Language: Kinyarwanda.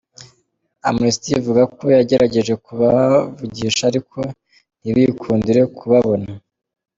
Amnesty ivuga ko yagerageje kubavugisha ariko ntibiyikundire kubabona.